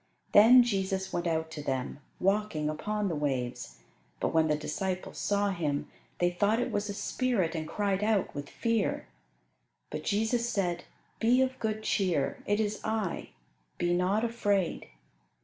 Then Jesus went out to them, walking upon the waves; but when the disciples saw Him they thought it was a spirit, and cried out with fear. But Jesus said, "Be of good cheer: it is I; be not afraid."